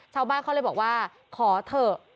ชาวบ้านเขาเลยบอกว่าขอเถอะ